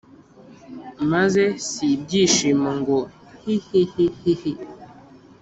Maze si ibyishimo ngo hihihihi